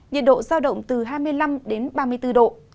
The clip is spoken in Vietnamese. nhiệt độ giao động từ hai mươi năm đến ba mươi bốn độ